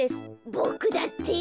ボクだって！